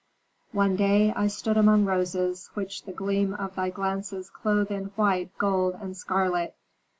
"One day I stood among roses, which the gleam of thy glances clothe in white, gold, and scarlet.